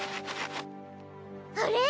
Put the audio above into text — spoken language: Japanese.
あれ？